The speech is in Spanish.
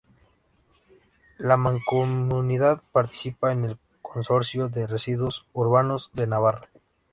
La Mancomunidad participa en el Consorcio de Residuos Urbanos de Navarra.